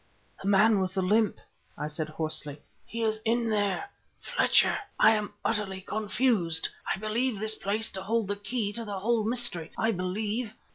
"The man with the limp!" I said hoarsely; "he is in there! Fletcher! I am utterly confused. I believe this place to hold the key to the whole mystery, I believe